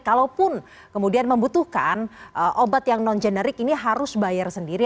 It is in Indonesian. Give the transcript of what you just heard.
kalaupun kemudian membutuhkan obat yang non generik ini harus bayar sendiri